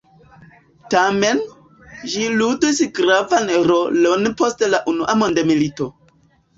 Tamen, ĝi ludis gravan rolon post la Unua Mondmilito.